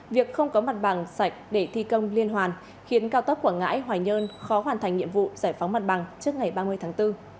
việc không có mặt bằng sạch để thi công liên hoàn khiến cao tốc quảng ngãi hòa nhơn khó hoàn thành nhiệm vụ giải phóng mặt bằng trước ngày ba mươi tháng bốn